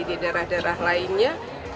nah daerah daerah lainnya